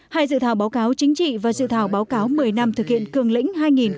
hai dự thảo báo cáo chính trị và dự thảo báo cáo một mươi năm thực hiện cường lĩnh hai nghìn một mươi một